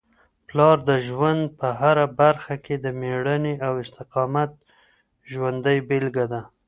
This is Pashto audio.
پلار د ژوند په هره برخه کي د مېړانې او استقامت ژوندۍ بېلګه ده.